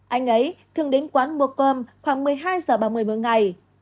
anh ấy thường đến quán mua cơm khoảng một mươi hai h ba mươi mỗi ngày